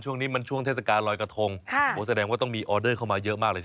ช่วงนี้มันช่วงเทศกาลลอยกระทงแสดงว่าต้องมีออเดอร์เข้ามาเยอะมากเลยสิ